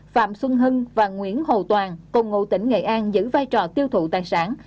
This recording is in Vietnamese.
phạm xuân hưng và nguyễn hầu toàn cùng ngụ tỉnh nghệ an giữ vai trò tiêu thụ tài sản